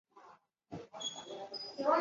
这边安全了